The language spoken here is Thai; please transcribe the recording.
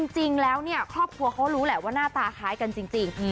จริงแล้วเนี่ยครอบครัวเขารู้แหละว่าหน้าตาคล้ายกันจริง